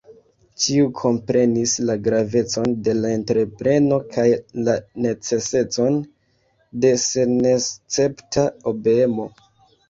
Ĉiu komprenis la gravecon de l' entrepreno kaj la necesecon de senescepta obeemo.